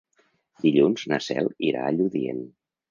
Dilluns na Cel irà a Lludient.